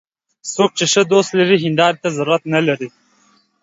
څوک چې ښه دوست لري، هنداري ته ضرورت نه لري